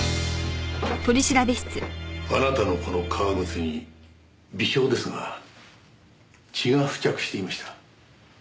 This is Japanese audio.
あなたのこの革靴に微少ですが血が付着していました。